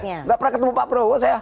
iya gak pernah ketemu pak prabowo saya